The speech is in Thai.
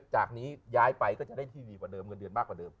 จากนี้ย้ายไปก็จะได้ที่ดีกว่าเดิมเงินเดือนมากกว่าเดิม